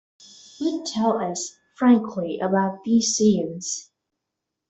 But tell us frankly about these seances.